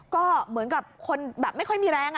ก็เหมือนกับคนแบบไม่ค่อยมีแรง